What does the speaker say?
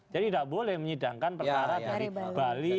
jadi tidak boleh menyidangkan perkara dari bali